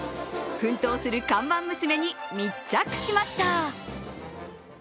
奮闘する看板娘に密着しました。